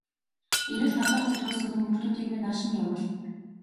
Ирэх тав дахь өдрөөс өмнө хүүхдүүдийг минь нааш нь явуул.